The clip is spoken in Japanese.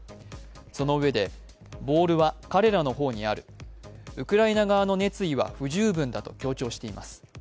そのうえで、ボールは彼らの方にある、ウクライナ側の熱意は不十分だと強調しています。